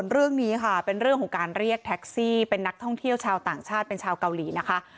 เรื่องนี้ค่ะเป็นเรื่องของการเรียกแท็กซี่เป็นนักท่องเที่ยวชาวต่างชาติเป็นชาวเกาหลีนะคะ